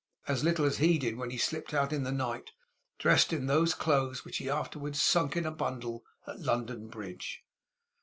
As little as he did when he slipped out in the night, dressed in those clothes which he afterwards sunk in a bundle at London Bridge!